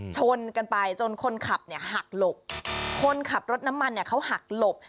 ชนกันไปจนคนขับเนี่ยหักหลบคนขับรถน้ำมันเนี่ยเขาหักหลบ